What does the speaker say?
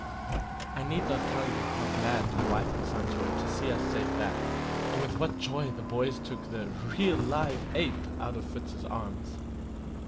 I need not tell you how glad my wife and sons were to see us safe back, or with what joy the boys took the "real live ape" out of Fritz's arms.